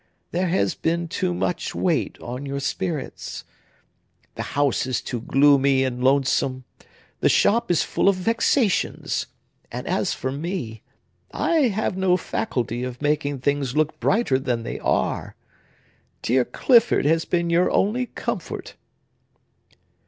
There has been too much weight on your spirits. The house is too gloomy and lonesome; the shop is full of vexations; and as for me, I have no faculty of making things look brighter than they are. Dear Clifford has been your only comfort!"